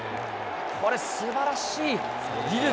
これ、すばらしい技術。